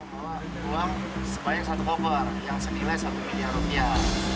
bawa uang sebanyak satu koper yang senilai satu miliar rupiah